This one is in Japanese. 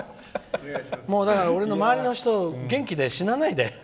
俺の周りの人は元気で死なないで。